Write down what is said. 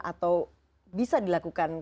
atau bisa dilakukan